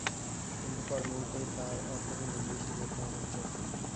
কিন্তু পরমুহুর্তেই তার অর্থপূর্ণ দৃষ্টি পড়ত আমার চোখে।